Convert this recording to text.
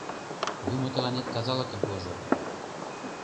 Юмо тыланет тазалыкым пуыжо!